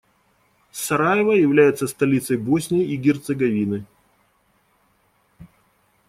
Сараево является столицей Боснии и Герцеговины.